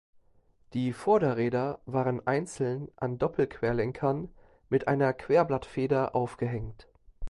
Die Vorderräder waren einzeln an Doppelquerlenkern mit einer Querblattfeder aufgehängt.